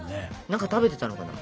何か食べてたのかな？